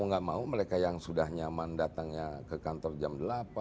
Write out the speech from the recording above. mau nggak mau mereka yang sudah nyaman datangnya ke kantor jam delapan tujuh empat puluh lima